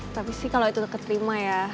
tapi sih kalau itu keterima ya